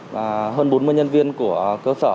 và hơn bốn mươi nhân viên của cơ sở